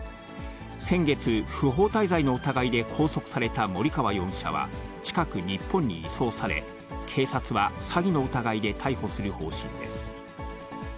先月、不法滞在の疑いで拘束された森川容疑者は、近く日本に移送され、警察は詐欺の疑いで逮捕する方針です。